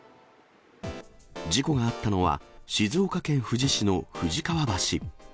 事故があったのは、静岡県富士市の富士川橋。